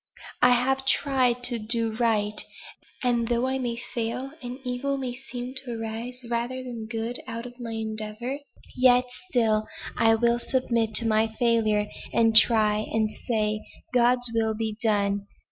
I have tried to do right, and though I may fail, and evil may seem to arise rather than good out of my endeavor, yet still I will submit to my failure, and try and say 'God's will be done!'